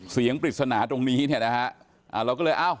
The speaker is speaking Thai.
เสียงปริศนาตรงนี้นะเราก็เลย